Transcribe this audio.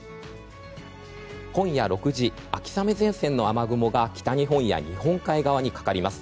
今夜６時、秋雨前線の雨雲が北日本や日本海側にかかります。